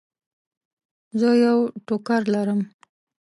زه یو ټوکر لرم.